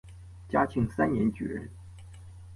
嘉庆三年举人。